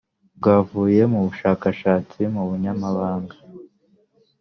bwavuye mu bushakashatsi mu bunyamabanga